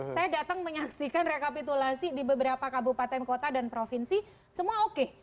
saya datang menyaksikan rekapitulasi di beberapa kabupaten kota dan provinsi semua oke